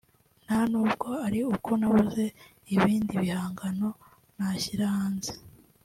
nta n’ubwo ari uko nabuze ibindi bihangano nashyira hanze